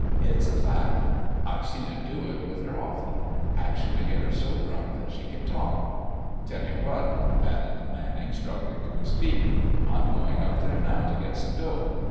It's a fact! I've seen 'em do it with her often—actually get her so drunk that she can talk. Tell you what," added Manning, struggling to his feet, "I'm going up there now to get some dope.